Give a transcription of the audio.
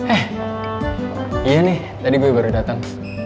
eh iya nih tadi gue baru dateng